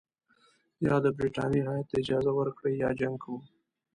یا د برټانیې هیات ته اجازه ورکړئ یا جنګ کوو.